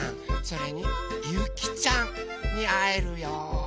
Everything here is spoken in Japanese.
それにゆきちゃんにあえるよ。